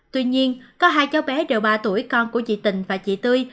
tuy nhiên có hai cháu bé đều ba tuổi con của chị tình và chị tươi